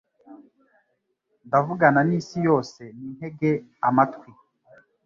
Ndavugana n'isi yose nintege amatwi